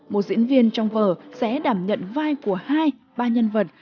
một diễn viên trong vở sẽ đảm nhận vai của hai ba nhân vật